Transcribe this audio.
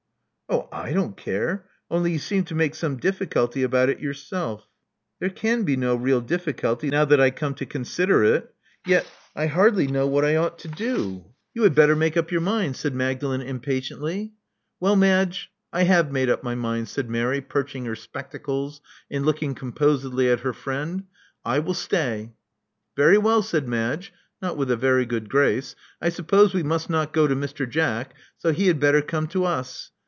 '*Oh, I don't care. Only you seemed to make some difficulty about it yourself. ''* 'There can be no real difficulty, now that I come to consider it. Yet — I hardly know what I ought to do." 92 Love Among the Artists "You had better make up your mind," said Magdalen impatiently. "Well, Madge, I have made up my mind," said Mary, perching her spectacles, and looking composedly at her friend. '*I will sfay. " "Very well," said Madge, not with a veiy good grace: "I suppose we must not go to Mr. Jack, so he had better come to us.